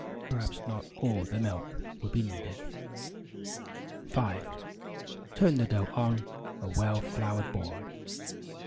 (Perhaps not all the milk will be needed.) 5. Turn the dough on a well floured board.